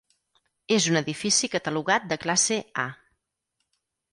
És un edifici catalogat de classe A.